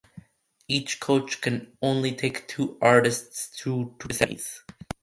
Each coach can only take two artists through to the semis.